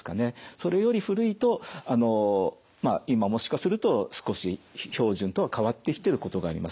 それより古いと今もしかすると少し標準とは変わってきてることがあります。